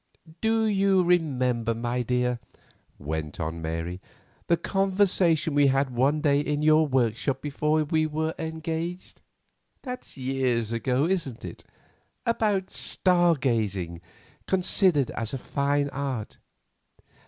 "Do you remember, my dear?" went on Mary, "the conversation we had one day in your workshop before we were engaged—that's years ago, isn't it—about star gazing considered as a fine art?"